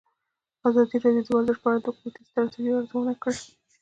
ازادي راډیو د ورزش په اړه د حکومتي ستراتیژۍ ارزونه کړې.